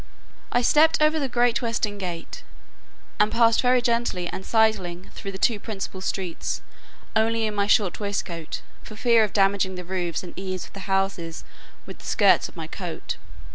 I stepped over the great western gate, and passed very gently, and sidling, through the two principal streets, only in my short waistcoat, for fear of damaging the roofs and eaves of the houses with the skirts of my coat.